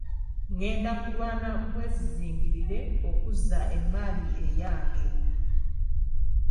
Ngenda kulwana bwezizingirire okuzza emmaali eyange.